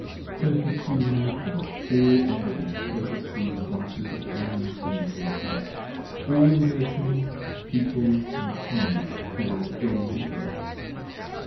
Thirty two Nations, And under these Thirty two Classes of Islands in the Ocean, All the Nations Peoples & Tongues throughout all the Earth.